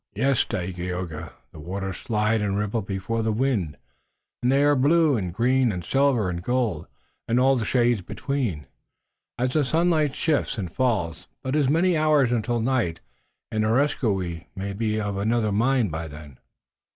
"Yes, Dagaeoga, the waters slide and ripple before the wind, and they are blue and green, and silver and gold, and all the shades between, as the sunlight shifts and falls, but it is many hours until night and Areskoui may be of another mind by then."